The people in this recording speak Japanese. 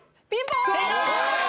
正解！